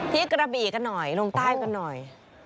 กระบี่กันหน่อยลงใต้กันหน่อย